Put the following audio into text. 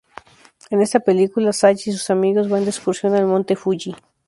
En esta película, Zatch y sus amigos van de excursión al Monte Fuji.